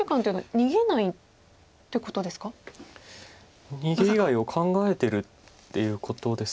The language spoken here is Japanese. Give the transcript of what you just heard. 逃げ以外を考えてるっていうことです。